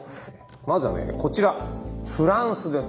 まずはこちらフランスです。